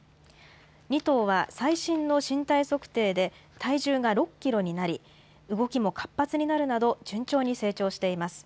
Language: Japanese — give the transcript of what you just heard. ２頭は最新の身体測定で、体重が６キロになり、動きも活発になるなど、順調に成長しています。